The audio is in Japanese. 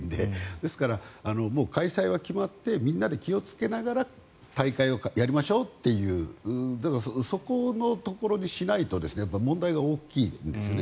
ですから、開催は決まってみんなで気をつけながら大会をやりましょうというそこのところにしないと問題が大きいんですよね。